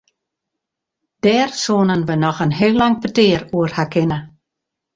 Dêr soenen we noch in heel lang petear oer ha kinne.